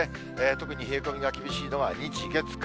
特に冷え込みが厳しいのは日、月、火。